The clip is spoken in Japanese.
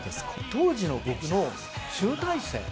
当時の僕の集大成。